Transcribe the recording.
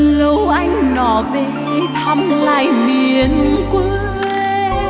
lâu anh nọ về thăm lại miền quê